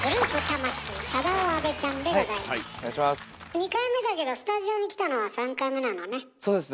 ２回目だけどスタジオに来たのは３回目なのね。